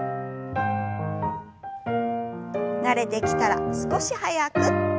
慣れてきたら少し早く。